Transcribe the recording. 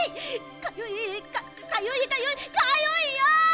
かゆいかゆいかゆいかゆいよ！